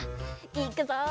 いくぞ。